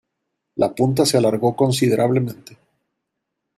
La punta se alargó considerablemente.